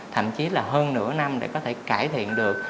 thậm chí là hơn nửa năm để có thể cải thiện được